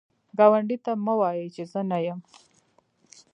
ګاونډي ته مه وایی چې زه نه یم